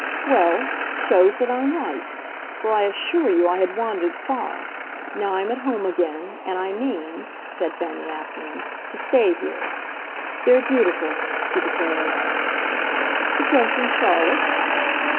"Well, shows that I'm right for I assure you I had wandered far. Now I'm at home again, and I mean," said Fanny Assingham, "to stay here. They're beautiful," she declared. "The Prince and Charlotte?"